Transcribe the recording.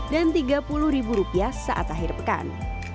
dan tiga puluh ribu rupiah saat akhir pekan